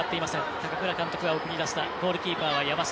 高蔵監督が送り出したゴールキーパーは山下。